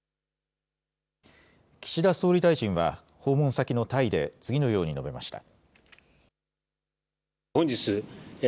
岸田総理大臣は訪問先のタイで次のように述べました。